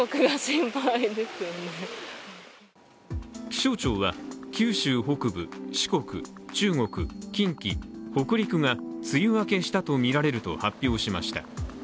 気象庁は九州北部、四国、中国、近畿、北陸が梅雨明けしたとみられると発表しました。